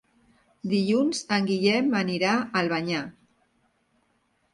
Dilluns en Guillem anirà a Albanyà.